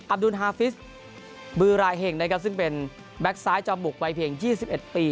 อับดูลฮาฟิสบือรายเห่งนะครับซึ่งเป็นแบ็กซ้ายจอมบุกวัยเพียงยี่สิบเอ็ดปี